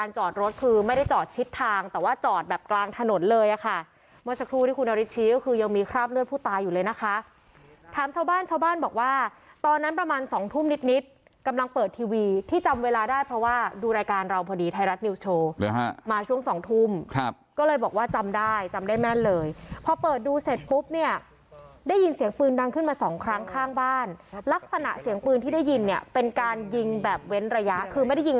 ชาวบ้านบอกว่าตอนนั้นประมาณสองทุ่มนิดกำลังเปิดทีวีที่จำเวลาได้เพราะว่าดูรายการเราพอดีไทยรัฐนิวส์โชว์มาช่วงสองทุ่มก็เลยบอกว่าจำได้จำได้แม่นเลยพอเปิดดูเสร็จปุ๊บเนี่ยได้ยินเสียงปืนดังขึ้นมาสองครั้งข้างบ้านลักษณะเสียงปืนที่ได้ยินเนี่ยเป็นการยิงแบบเว้นระยะคือไม่ได้ยิง